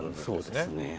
そうですね。